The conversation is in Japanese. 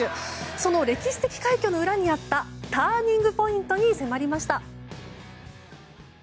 その歴史的快挙の裏にあったターニングポイントに迫りました。